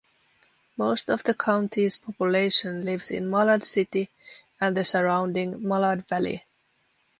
Most of the county's population lives in Malad City and the surrounding Malad Valley.